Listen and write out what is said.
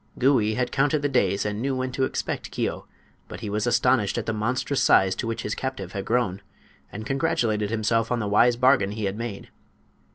Gouie had counted the days and knew when to expect Keo; but he was astonished at the monstrous size to which his captive had grown, and congratulated himself on the wise bargain he had made.